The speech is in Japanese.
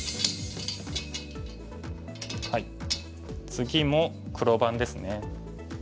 次も黒番ですね。